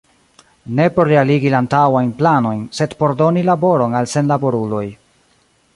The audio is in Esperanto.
Ne por realigi la antaŭajn planojn, sed por doni laboron al senlaboruloj.